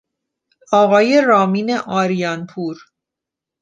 آقای رامین آریان پور